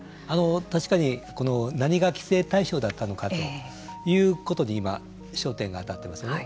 確かに何が規制対象だったのかということで今、焦点が当たってますよね。